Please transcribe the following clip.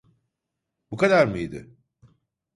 Bu kadar mıydı?